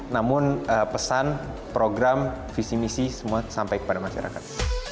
namun pesan program visi misi semua sampai kepada masyarakat